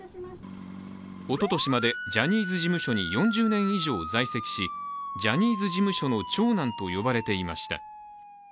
おととしまでジャニーズ事務所に４０年以上在籍しジャニーズ事務所の長男と呼ばれていました。